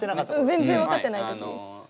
全然分かってない時です。